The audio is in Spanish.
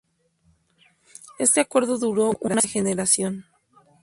Este acuerdo duró una generación.